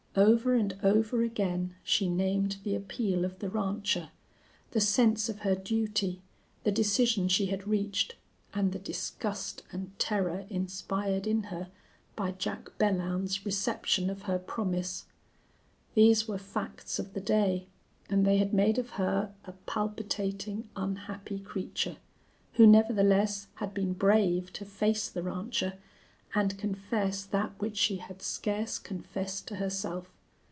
Over and over again she named the appeal of the rancher, the sense of her duty, the decision she had reached, and the disgust and terror inspired in her by Jack Belllounds's reception of her promise. These were facts of the day and they had made of her a palpitating, unhappy creature, who nevertheless had been brave to face the rancher and confess that which she had scarce confessed to herself.